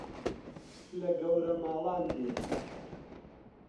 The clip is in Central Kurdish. لە گەورە ماڵان دێ